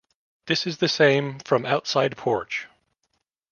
This is the same from outside porch.